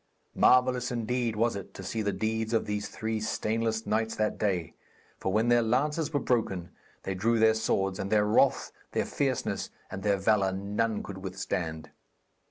Marvellous indeed was it to see the deeds of those three stainless knights that day; for when their lances were broken, they drew their swords, and their wrath, their fierceness and their valour, none could withstand.